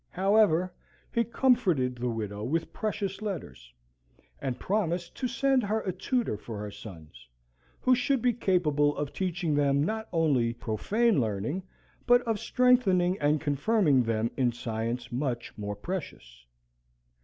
However, he comforted the widow with precious letters, and promised to send her a tutor for her sons who should be capable of teaching them not only profane learning, but of strengthening and confirming them in science much more precious.